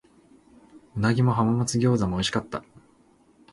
鰻も浜松餃子も美味しかった。